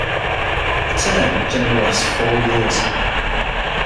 A term generally lasts four years.